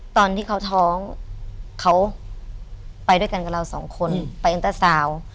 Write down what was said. ตอนที่เขาท้องเขาไปด้วยกันกับเราสองคนไปเอ็นเตอร์สาว